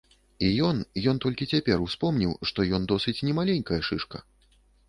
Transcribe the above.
І ён, ён толькі цяпер успомніў, што ён досыць немаленькая шышка.